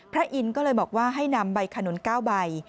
อินก็เลยบอกว่าให้นำใบขนุน๙ใบ